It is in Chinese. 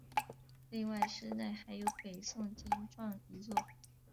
另外寺内还有北宋经幢一座。